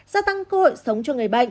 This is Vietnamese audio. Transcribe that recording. gia tăng cơ hội sống cho người bệnh